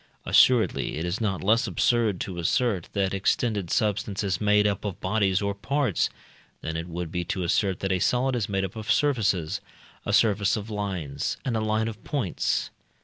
Assuredly it is not less absurd to assert that extended substance is made up of bodies or parts, than it would be to assert that a solid is made up of surfaces, a surface of lines, and a line of points.